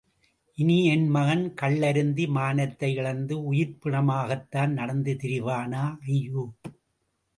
இனி என் மகன் கள்ளருந்தி, மானத்தை இழந்து, உயிர்ப்பிணமாகத்தான் நடந்து திரிவானா? ஐயோ.